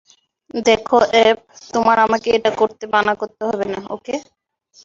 দেখো, অ্যাব, তোমার আমাকে এটা করতে মানা করতে হবে না, ওকে?